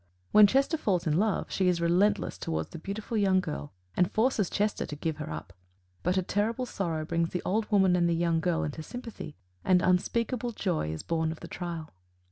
When Chester falls in love, she is relentless toward the beautiful young girl and forces Chester to give her up. But a terrible sorrow brings the old woman and the young girl into sympathy, and unspeakable joy is born of the trial.